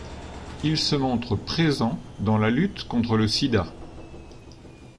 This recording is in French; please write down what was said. Il se montre présent dans la lutte contre le sida.